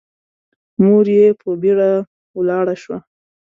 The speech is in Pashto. مور يې په بيړه ولاړه شوه.